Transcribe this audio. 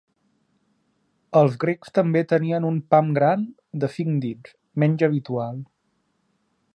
Els grecs també tenien un "pam gran" de cinc dits, menys habitual.